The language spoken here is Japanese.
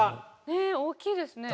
え大きいですね。